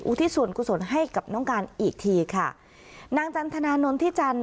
ทิศส่วนกุศลให้กับน้องการอีกทีค่ะนางจันทนานนทิจันท